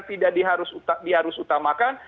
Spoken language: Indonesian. tidak di harus utamakan